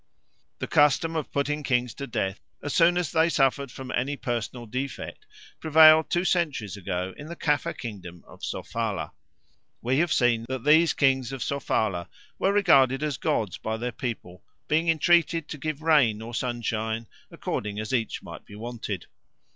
The custom of putting kings to death as soon as they suffered from any personal defect prevailed two centuries ago in the Caffre kingdom of Sofala. We have seen that these kings of Sofala were regarded as gods by their people, being entreated to give rain or sunshine, according as each might be wanted.